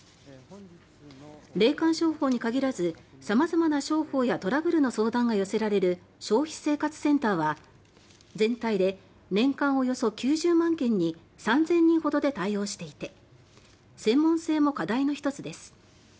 霊感商法に限らず様々な商法やトラブルの相談が寄せられる消費生活センターは全体で年間およそ９０万件に３０００人ほどで対応していて専門性も課題の一つです。